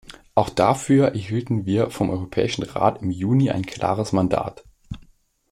Auch dafür erhielten wir vom Europäischen Rat im Juni ein klares Mandat.